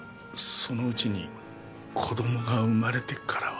その家に子供が生まれてからは。